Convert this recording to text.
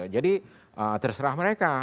jadi terserah mereka